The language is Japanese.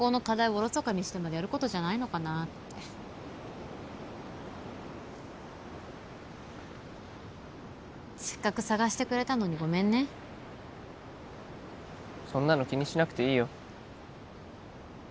おろそかにしてまでやることじゃないのかなってせっかく探してくれたのにごめんねそんなの気にしなくていいよ